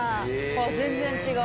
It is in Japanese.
全然違う。